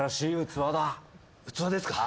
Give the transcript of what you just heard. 器ですか？